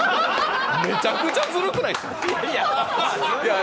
めちゃくちゃズルくないすか？